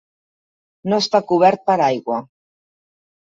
No està cobert per aigua.